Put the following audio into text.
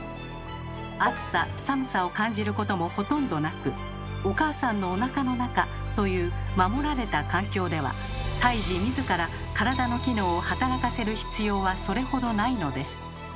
暑さ・寒さを感じることもほとんどなくお母さんのおなかの中という守られた環境では胎児自ら体の機能を働かせる必要はそれほどないのです。